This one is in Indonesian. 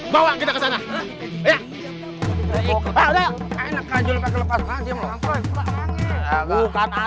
bawa kita kesana